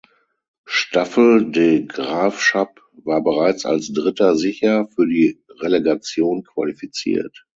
Staffel De Graafschap war bereits als Dritter sicher für die Relegation qualifiziert.